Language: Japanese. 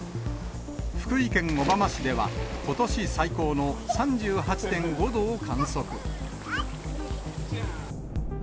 福井県小浜市では、ことし最高の３８．５度を観測。